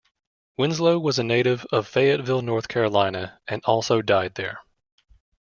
Winslow was a native of Fayetteville, North Carolina and also died there.